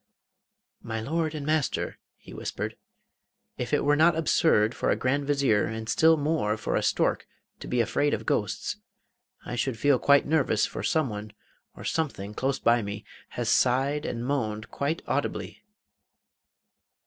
'My Lord and master,' he whispered, 'if it were not absurd for a Grand Vizier, and still more for a stork, to be afraid of ghosts, I should feel quite nervous, for someone, or something close by me, has sighed and moaned quite audibly.